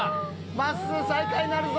まっすー最下位になるぞ！